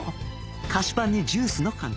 菓子パンにジュースの感覚